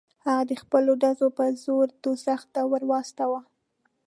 هغه د خپلو ډزو په زور دوزخ ته ور واستاوه.